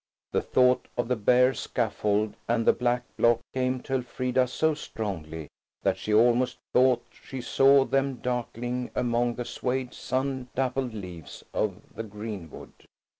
The thought of the bare scaffold and the black block came to Elfrida so strongly that she almost thought she saw them darkling among the swayed, sun dappled leaves of the greenwood.